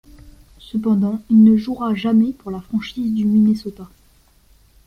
Cependant, il ne jouera jamais pour la franchise du Minnesota.